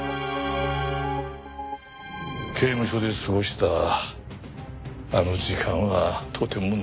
刑務所で過ごしたあの時間はとても長かった。